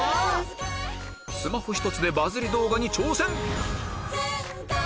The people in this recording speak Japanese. スマホ１つでバズり動画に挑戦！